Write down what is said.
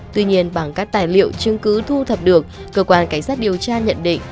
tuy nhiên bằng các tài liệu chứng cứ thu thập được cơ quan cảnh sát điều tra nhận định